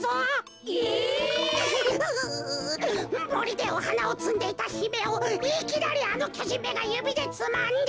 もりでおはなをつんでいたひめをいきなりあのきょじんめがゆびでつまんで。